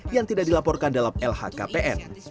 yang tidak dilaporkan dalam lhkpn